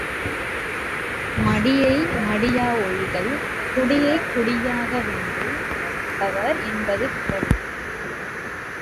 மடியை மடியா ஒழுகல் குடியைக் குடியாக வேண்டு பவர் என்பது குறள்.